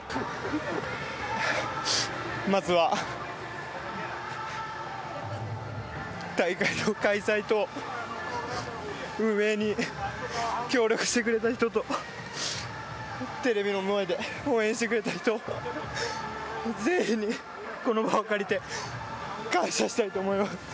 まずは、大会の開催と運営に協力してくれた人と、テレビの前で応援してくれた人、全員にこの場を借りて感謝したいと思います。